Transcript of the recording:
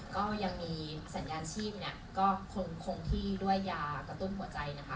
ก็ยังมีสัญญาณชีพเนี่ยก็คงที่ด้วยยากระตุ้นหัวใจนะคะ